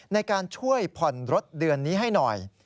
ในการช่วยผ่อนรถเดือนนี้ให้หน่อย